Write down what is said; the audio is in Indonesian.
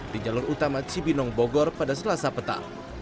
di jalur utama cibinong bogor pada selasa petang